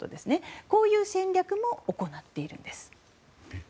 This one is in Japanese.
こういう戦略も行っているんです。